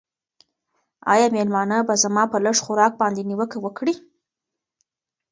آیا مېلمانه به زما په لږ خوراک باندې نیوکه وکړي؟